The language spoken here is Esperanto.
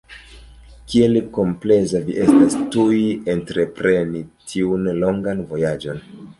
Kiel kompleza vi estas, tuj entrepreni tiun longan vojaĝon!